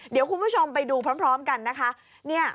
เดี๋ยวคุณผู้ชมไปดูพร้อมกันนะคะ